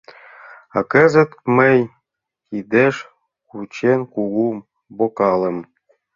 А кызыт мый, кидеш кучен кугу бокалым